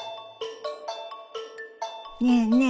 ねえねえ